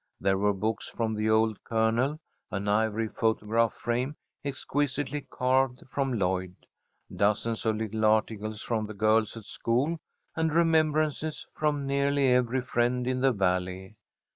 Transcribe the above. There were books from the old Colonel, an ivory photograph frame exquisitely carved from Lloyd. Dozens of little articles from the girls at school, and remembrances from nearly every friend in the Valley.